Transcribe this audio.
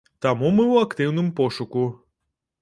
Таму мы ў актыўным пошуку.